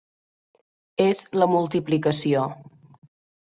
És la multiplicació.